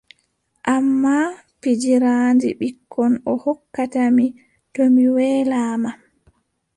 Ammaa pijiraandi ɓikkon o hokkata mi to mi weelaama.